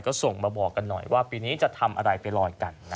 ก็ส่งมาบอกกันหน่อยว่าปีนี้จะทำอะไรไปลอยกัน